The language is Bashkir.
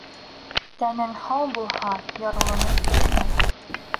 Тәнең һау булһа, ярлымын тимә.